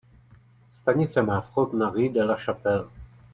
Stanice má vchod na "Rue de la Chapelle".